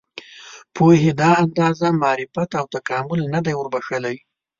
پوهنې دا اندازه معرفت او تکامل نه دی وربښلی.